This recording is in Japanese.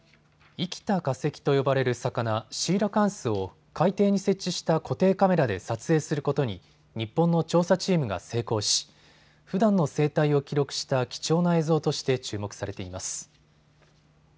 生きた化石と呼ばれる魚、シーラカンスを海底に設置した固定カメラで撮影することに日本の調査チームが成功し、ふだんの生態を記録した貴重な映像として注目されています。